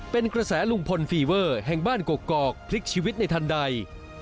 เป็นกระแสลุงพลฟีเวอร์แห่งบ้านกกอกพลิกชีวิตในทันใด